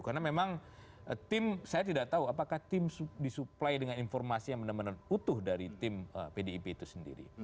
karena memang tim saya tidak tahu apakah tim disupply dengan informasi yang benar benar utuh dari tim pdip itu sendiri